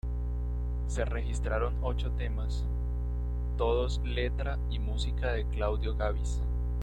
Se registraron ocho temas, todos letra y música de Claudio Gabis.